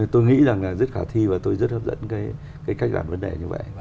tôi nghĩ rằng rất khả thi và tôi rất hấp dẫn cái cách làm vấn đề như vậy